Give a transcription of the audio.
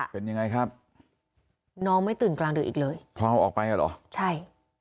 เป็นยังไงครับน้องไม่ตื่นกลางดึกอีกเลยพราวออกไปอ่ะเหรอใช่